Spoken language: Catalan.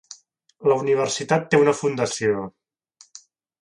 La universitat té una fundació.